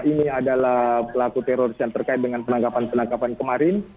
ini adalah pelaku teroris yang terkait dengan penangkapan penangkapan kemarin